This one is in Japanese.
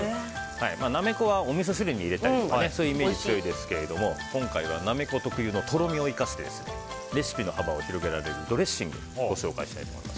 ナメコはおみそ汁に入れたりそういうイメージが強いですけど今回はナメコ特有のとろみを生かしてレシピの幅を広げられるドレッシングをご紹介します。